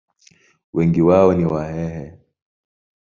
Wengi wao ni Wahehe.